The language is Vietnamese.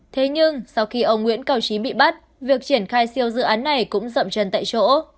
thế nhưng sau khi ông nguyễn cao trí bị bắt việc triển khai siêu dự án này cũng rậm chân tại chỗ